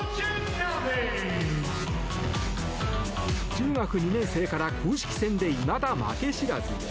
中学２年生から公式戦でいまだ負け知らず。